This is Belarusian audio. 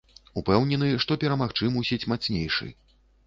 Упэўнены, што перамагчы мусіць мацнейшы.